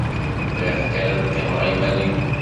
Bɣiɣ kan ad qqimeɣ iman-iw.